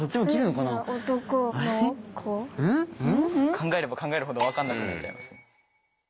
考えれば考えるほど分かんなくなっちゃいますね。